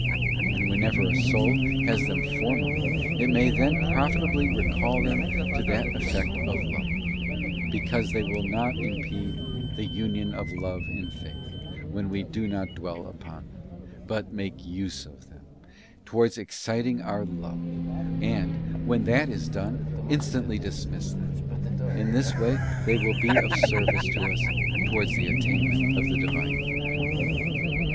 And whenever a soul has them formally, it may then profitably recall them to that effect of love; because they will not impede the Union of Love in Faith, when we do not dwell upon them, but make use of them, towards exciting our love, and, when that is done, instantly dismiss them: in this way they will be of service to us towards the attainment of the Divine union.